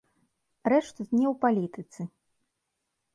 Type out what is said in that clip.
Рэч тут не ў палітыцы.